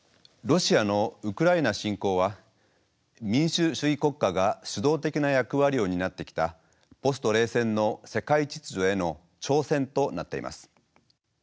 ロシアのウクライナ侵攻は民主主義国家が主導的な役割を担ってきたポスト冷戦の世界秩序への挑戦となっています。